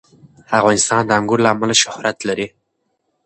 افغانستان د انګور له امله شهرت لري.